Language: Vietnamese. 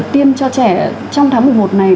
tiêm cho trẻ trong tháng một mươi một này